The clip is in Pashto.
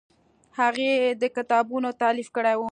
هغه یې د کتابونو تالیف کړی و.